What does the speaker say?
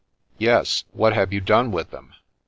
' Yes ; what have you done with them ?